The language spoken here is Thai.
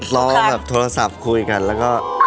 ร้องแบบโทรศัพท์คุยกันแล้วก็